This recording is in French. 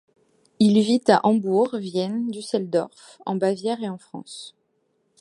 Il vit à Hambourg, Vienne, Düsseldorf, en Bavière et en France.